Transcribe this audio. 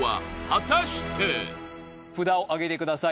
果たして札をあげてください